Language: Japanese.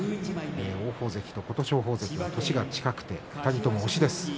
王鵬関と琴勝峰関は年が近くて２人とも推しです。